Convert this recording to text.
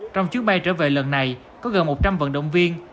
trong chuyến bay trở về lần này có gần một trăm linh vận động viên